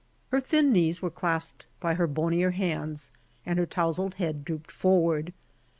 Her thin knees were clasped by her bonier hands, and her towsled head drooped forward.